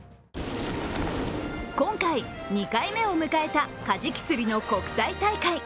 今回、２回目を迎えたカジキ釣りの国際大会。